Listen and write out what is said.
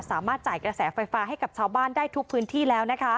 สามารถจ่ายกระแสไฟฟ้าให้กับชาวบ้านได้ทุกพื้นที่แล้ว